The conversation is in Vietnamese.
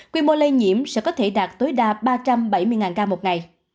quy mô lây nhiễm sẽ có thể đạt tối đa ba trăm bảy mươi ca một ngày